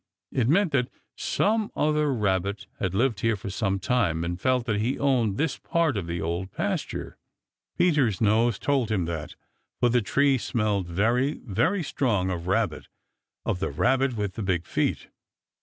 It meant that some other Rabbit had lived here for some time and felt that he owned this part of the Old Pasture. Peter's nose told him that, for the tree smelled very, very strong of Rabbit of the Rabbit with the big feet.